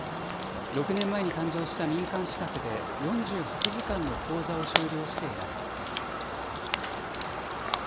６年前に誕生した民間資格で、４８時間の講座を修了して得られます。